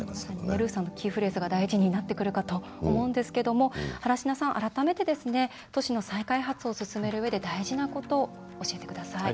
ルーさんのキーフレーズが大事になってくるかと思うんですけども原科さん、改めてですね都市の再開発を進めるうえで大事なこと、教えてください。